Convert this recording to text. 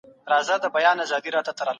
هغه څوک چي قدرت کاروي واکمن بلل کېږي.